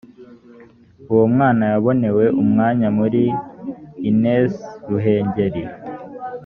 uwo mwna yabonewe umwanya muri ines ruhengeri